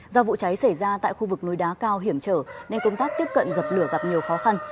do vụ cháy xảy ra tại khu vực núi đá cao hiểm trở nên công tác tiếp cận dập lửa gặp nhiều khó khăn